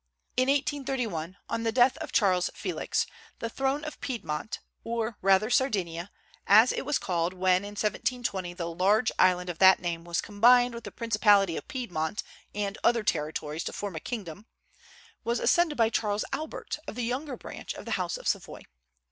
In 1831, on the death of Charles Felix, the throne of Piedmont or, rather, Sardinia, as it was called when in 1720 the large island of that name was combined with the principality of Piedmont and other territories to form a kingdom was ascended by Charles Albert, of the younger branch of the House of Savoy.